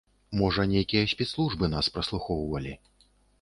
Можа, нейкія спецслужбы нас праслухоўвалі.